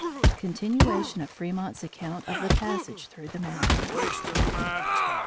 Continuation of Fremont's Account of the Passage Through the Mountains.